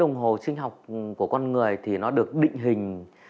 đồng hồ sinh học của con người được định hình